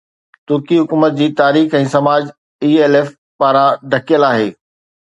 ترڪي حڪومت جي تاريخ ۽ سماج ELF پاران ڍڪيل آهي